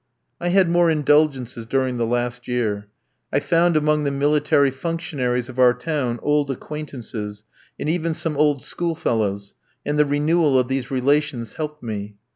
I had more indulgences during the last year. I found among the military functionaries of our town old acquaintances, and even some old schoolfellows, and the renewal of these relations helped me.